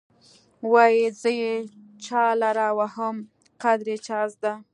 وايې زه یې چا لره وهم قدر يې چا زده.